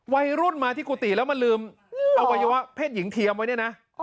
วัยรุ่นมาที่กุฏิแล้วมาลืมอวัยวะเพศหญิงเทียมไว้เนี่ยนะ